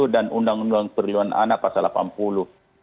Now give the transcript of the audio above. dan undang undang perlindungan anak pasal delapan puluh